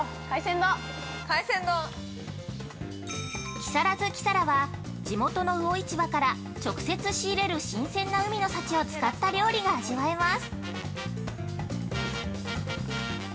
◆木更津キサラは地元の魚市場から直接仕入れる新鮮な海の幸を使った料理が味わえます。